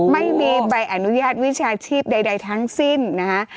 ไม่มีใบอนุญาตวิชาชีพใดทั้งสิ้นนะคะ